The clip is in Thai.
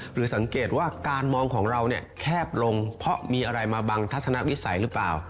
หรือสังเกตว่าการมองของเราเนี่ยแคบลงเพราะมีอะไรมาบังทัศนวิสัยหรือเปล่า